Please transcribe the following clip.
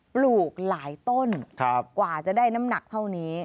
ปลูกหลายต้นกว่าจะได้น้ำหนักเท่านี้